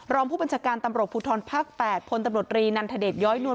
รองผู้บัญชาการตำรวจภูทรภาค๘พลตำรวจรีนันทเดชย้อยนวล